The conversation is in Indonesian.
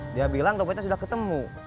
dia bilang dopinya sudah ketemu